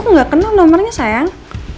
aku juga gak tau aku gak kenal nomernya sayang